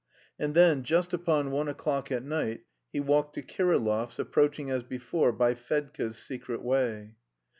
And then just upon one o'clock at night he walked to Kirillov's, approaching as before by Fedka's secret way.